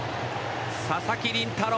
佐々木麟太郎